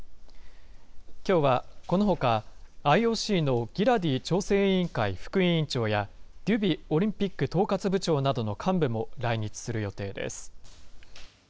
きょうはこのほか、ＩＯＣのギラディ調整委員会副委員長や、デュビオリンピック統括部長などの幹部も来日する予定です。